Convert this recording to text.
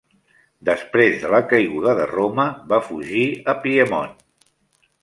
Després de la caiguda de Roma va fugir a Piemont.